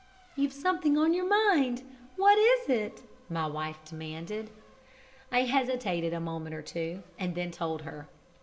"You've something on your mind! What is it?" my wife demanded. I hesitated a moment or two and then told her.